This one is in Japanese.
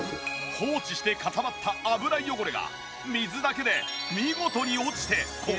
放置して固まった油汚れが水だけで見事に落ちてここまできれいに！